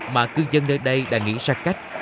mà cư dân nơi đây đã nghĩ ra cách